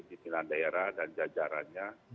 jadi pimpinan daerah dan jajarannya